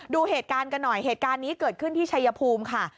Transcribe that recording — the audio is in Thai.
ดูเหตุการณ์กันหน่อยเหตุการณ์นี้เกิดขึ้นที่ชัยภูมิค่ะ